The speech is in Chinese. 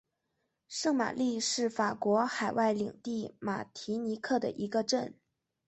圣玛丽是法国海外领地马提尼克的一个镇。